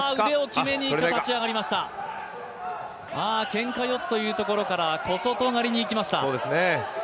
けんか四つというところから小外刈りにいきました。